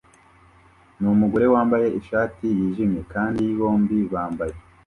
numugore wambaye ishati yijimye kandi bombi bambaye